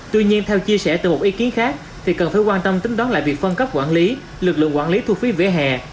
tuy nhiên theo chia sẻ từ một ý kiến khác thì cần phải quan tâm tính đoán lại việc phân cấp quản lý lực lượng quản lý thu phí vỉa hè